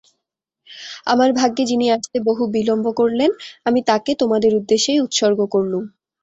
আমার ভাগ্যে যিনি আসতে বহু বিলম্ব করলেন, আমি তাঁকে তোমাদের উদ্দেশেই উৎসর্গ করলুম।